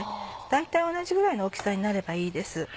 大体同じぐらいの大きさになればいいです。